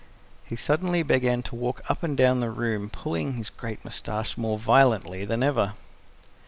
He suddenly began to walk up and down the room, pulling his great mustache more violently than ever.